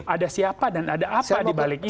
ada siapa dan ada apa dibalik itu